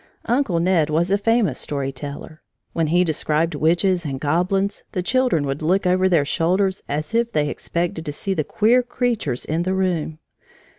Uncle Ned was a famous story teller. When he described witches and goblins, the children would look over their shoulders as if they half expected to see the queer creatures in the room.